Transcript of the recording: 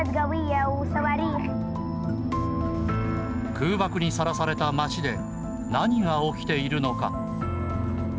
空爆にさらされた街で何が起きているのか。